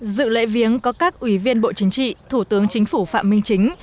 dự lễ viếng có các ủy viên bộ chính trị thủ tướng chính phủ phạm minh chính